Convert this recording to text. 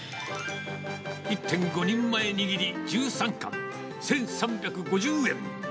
１．５人前握り１３カン１３５０円。